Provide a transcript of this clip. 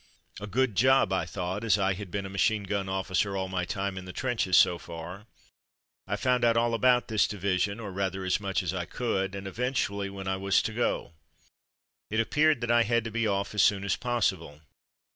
A good job, I thought, as I had been a machine gun officer all my time in the trenches so far. I found out all about this division, or rather as much as I could, and eventually when I was to go. It appeared that I had to be off as soon as possible.